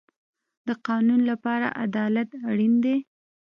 د قانون لپاره عدالت اړین دی